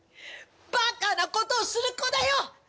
バカなことをする子だよ！